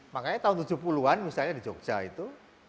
makanya tahun tujuh puluh an misalnya di jogja itu